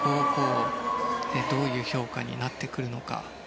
どういう評価になってくるのか。